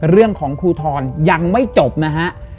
เรื่องของครูทรยังไม่จบนะฮะ